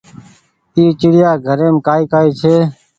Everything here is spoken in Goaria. اي چڙيآ گهريم ڪآئي ڪآئي ڇي۔